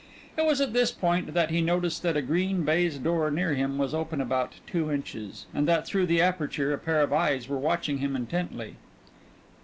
It was at this point that he noticed that a green baize door near him was open about two inches, and that through the aperture a pair of eyes were watching him intently.